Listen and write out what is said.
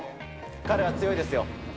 彼は強いですよ。